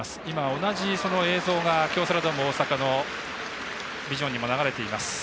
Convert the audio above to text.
同じ映像が京セラドーム大阪のビジョンにも流れています。